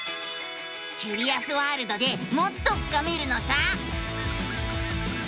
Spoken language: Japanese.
キュリアスワールドでもっと深めるのさ！